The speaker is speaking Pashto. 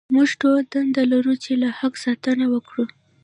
موږ ټول دنده لرو چې له حق ساتنه وکړو.